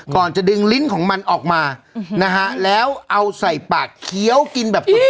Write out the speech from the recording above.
ก่อนจะดึงลิ้นของมันออกมานะฮะแล้วเอาใส่ปากเคี้ยวกินแบบสุด